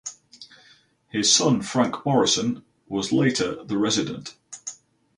His son Frank Morrison was later the resident.